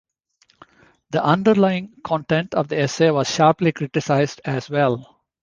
The underlying content of the essay was sharply criticized as well.